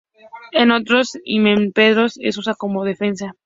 En otros himenópteros es usado como defensa.